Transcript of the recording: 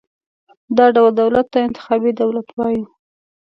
دا ډول دولت ته انتخابي دولت وایو.